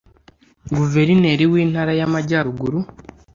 Guverineri w’Intara y’Amajyaruguru